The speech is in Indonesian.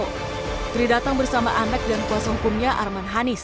putri datang bersama anak dan kuasa hukumnya arman hanis